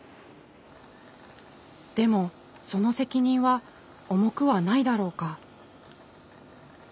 でもその責任は重くはないだろうか？